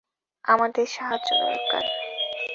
আমাদের সাহায্য দরকার!